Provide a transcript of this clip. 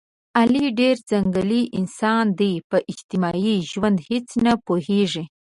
علي ډېر ځنګلي انسان دی، په اجتماعي ژوند هېڅ نه پوهېږي.